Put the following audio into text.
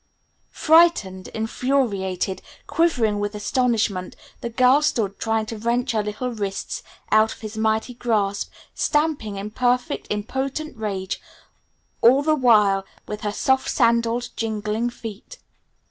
Frightened, infuriated, quivering with astonishment, the girl stood trying to wrench her little wrists out of his mighty grasp, stamping in perfectly impotent rage all the while with her soft sandalled, jingling feet.